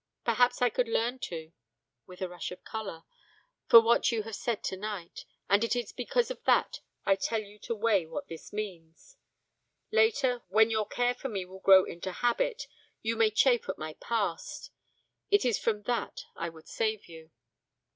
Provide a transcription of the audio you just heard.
Perhaps I could learn to (with a rush of colour), for what you have said tonight, and it is because of that I tell you to weigh what this means. Later, when your care for me will grow into habit, you may chafe at my past. It is from that I would save you.'